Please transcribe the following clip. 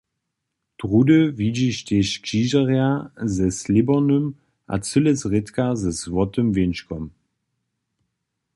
Druhdy widźiš tež křižerja ze slěbornym a cyle zrědka ze złotym wěnčkom.